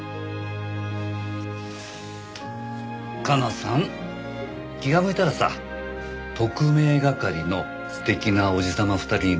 加奈さん気が向いたらさ特命係の素敵なおじ様２人に連絡して。